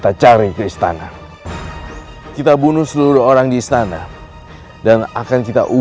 ada yang terjadi wil